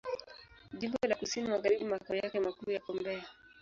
Jimbo la Kusini Magharibi Makao yake makuu yako Mbeya.